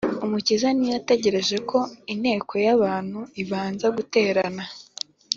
Umukiza ntiyategereje ko inteko y’abantu ibanza guterana